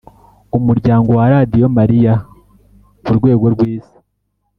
Umuryango wa Radio Maria ku rwego rw Isi